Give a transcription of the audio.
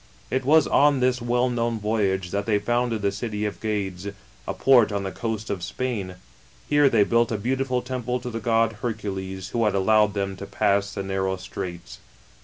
It was on this well known voyage, that they founded the city of Gades, a port on the coast of Spain. Here they built a beautiful temple to the god Hercules, who had allowed them to pass the narrow straits.